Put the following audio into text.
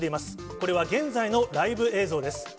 これは現在のライブ映像です。